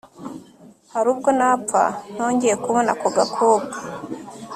harubwo napfa ntongeye kubona ako gakobwa